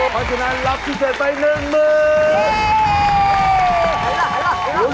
เพราะฉะนั้นรับที่เสร็จไป๑มือ